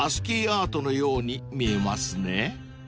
アートのように見えますね］